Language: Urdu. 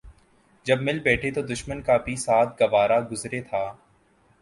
جب مل بیٹھے تو دشمن کا بھی ساتھ گوارا گزرے تھا